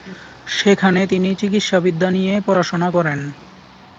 সেখানে তিনি চিকিৎসাবিদ্যা নিয়ে পড়াশোনা করেন।